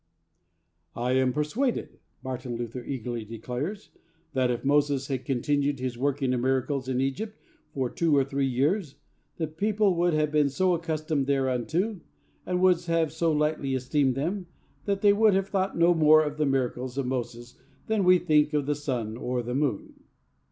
'I am persuaded,' Martin Luther sagely declares, 'that if Moses had continued his working of miracles in Egypt for two or three years, the people would have been so accustomed thereunto, and would have so lightly esteemed them, that they would have thought no more of the miracles of Moses than we think of the sun or the moon.'